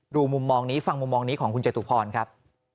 มุมมองนี้ฟังมุมมองนี้ของคุณจตุพรครับ